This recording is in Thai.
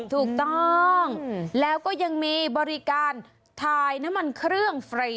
ถูกต้องแล้วก็ยังมีบริการถ่ายน้ำมันเครื่องฟรี